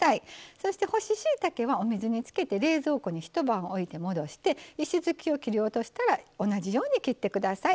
そして干ししいたけはお水につけて冷蔵庫に一晩置いて戻して石づきを切り落としたら同じように切って下さい。